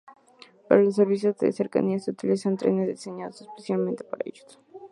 Para los servicios de cercanías se utilizan trenes diseñados especialmente para ellos.